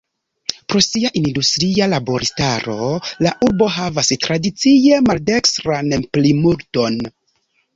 Pro sia industria laboristaro la urbo havas tradicie maldekstran plimulton.